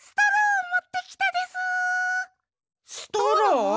ストロー？